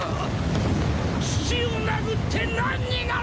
父を殴って何になる！？